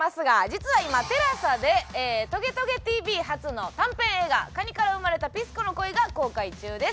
実は今ＴＥＬＡＳＡで『トゲトゲＴＶ』初の短編映画『蟹から生まれたピスコの恋』が公開中です。